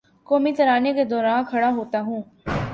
قومی ترانے کے دوراں کھڑا ہوتا ہوں